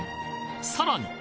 さらに！